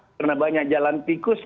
karena banyak jalan tikus